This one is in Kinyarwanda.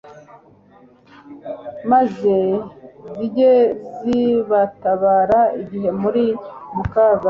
maze zijye zibatabara igihe muri mu kaga